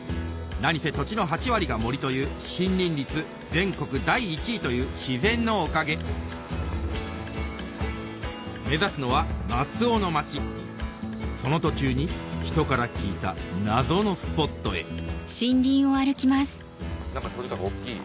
何せ土地の８割が森という森林率全国第１位という自然のおかげ目指すのは松尾の町その途中にひとから聞いた謎のスポットへ何かとにかく大っきい。